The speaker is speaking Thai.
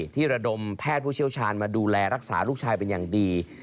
ระดมแพทย์ผู้เชี่ยวชาญมาดูแลรักษาลูกชายเป็นอย่างดี